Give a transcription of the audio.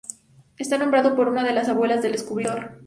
Está nombrado por una de las abuelas del descubridor.